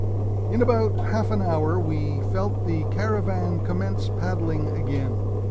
In about half an hour we felt the Caravan commence paddling again.